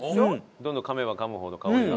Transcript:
どんどんかめばかむほど香りが。